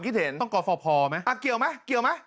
แสดงความคิดเห็น